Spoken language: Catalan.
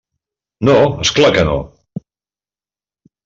No, és clar que no.